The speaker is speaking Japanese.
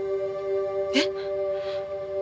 えっ！？